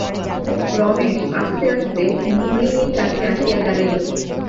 রমেশ আস্তে আস্তে হেমনলিনীর কাছে আসিয়া দাঁড়াইল।